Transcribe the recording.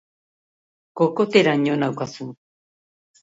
Kokoteraino naukazu!